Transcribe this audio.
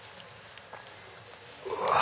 うわ！